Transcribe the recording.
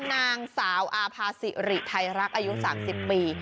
นางสาวอาภาษิริไทยรักอายุ๓๐ปี